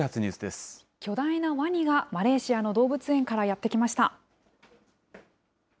巨大なワニがマレーシアの動物園からやって来ました。